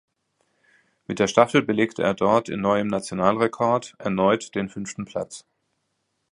Mit der Staffel belegte er dort in neuem Nationalrekord erneut den fünften Platz.